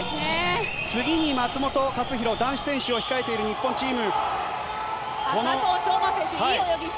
次に松元克央、男子選手を控えている日本チーム。